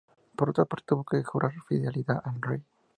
Por otra parte tuvo que jurar fidelidad al rey.